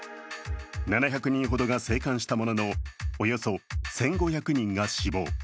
７００人ほどが生還したもののおよそ１５００人が死亡。